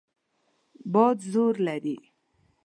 باد زور لري.